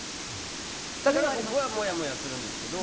だから、僕はもやもやするんですけど。